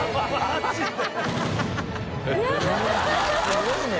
すごいね。